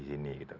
di sini gitu